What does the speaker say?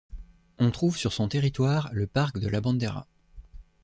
On trouve sur son territoire le parc de La Bandera.